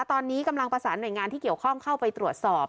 ตอนนี้กำลังประสานหน่วยงานที่เกี่ยวข้องเข้าไปตรวจสอบ